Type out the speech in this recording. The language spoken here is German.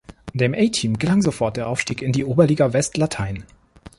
Dem A-Team gelang sofort der Aufstieg in die Oberliga West Latein.